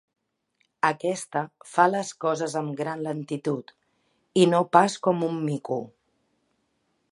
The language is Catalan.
Aquesta fa les coses amb gran lentitud, i no pas com un mico.